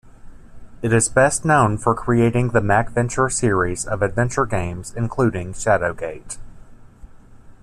It is best known for creating the MacVenture series of adventure games including Shadowgate.